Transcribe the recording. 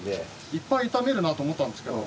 いっぱい炒めるなと思ったんですけど。